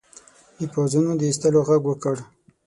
د پوځونو د ایستلو ږغ وکړ.